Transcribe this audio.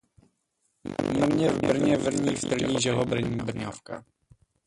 Mrně v Brně vrní v trní, že ho brní brňavka.